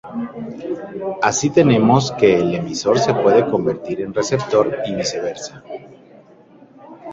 Así tenemos que el emisor se puede convertir en receptor y viceversa.